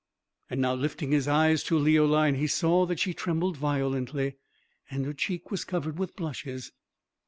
And now lifting his eyes to Leoline, he saw that she trembled violently, and her cheek was covered with blushes.